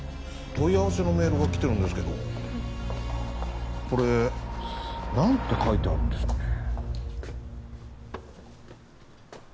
問い合わせのメールが来てるんですけどこれ何て書いてあるんですかね